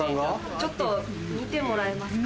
ちょっと見てもらえますか？